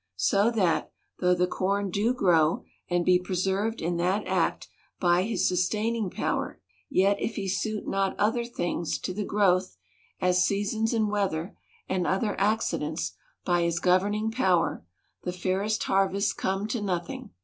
So that, though the corn do grow, and be preserved in that act by his sustaining power, yet if he suit not other things to the growth (as seasons and weather, and other accidents), by his gov erning power, the fairest harvests come to nothing.